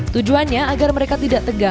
tujuannya agar mereka tidak tegas